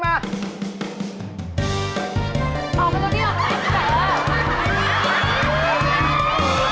มาเอาไปรถด้วยเหรอไอศกรรม